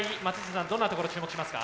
どんなところ注目しますか？